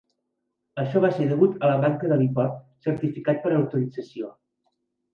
Això va ser degut a la manca d'heliport certificat per autorització.